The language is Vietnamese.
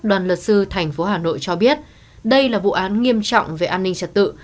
đoàn luật sư thành phố hà nội cho biết đây là vụ án nghiêm trọng về an ninh trật tự